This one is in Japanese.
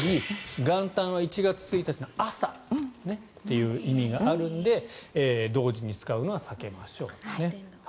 元旦は１月１日の朝という意味があるので同時に使うのは避けましょうと。